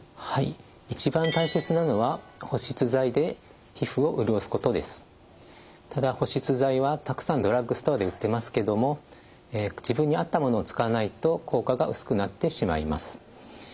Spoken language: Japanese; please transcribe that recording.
一番大切なのはただ保湿剤はたくさんドラッグストアで売ってますけども自分に合ったものを使わないと効果が薄くなってしまいます。